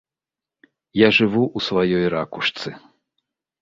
Я жыву ў сваёй ракушцы.